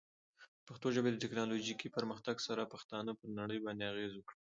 د پښتو ژبې د ټیکنالوجیکي پرمختګ سره، پښتانه پر نړۍ باندې اغېز وکړي.